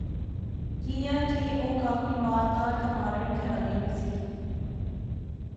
کیاں کہ او کافی مالدار تہ ماڈرن کہرے نی سی